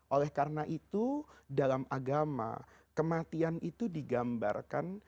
oleh karena itu dalam agama kematian itu digambarkan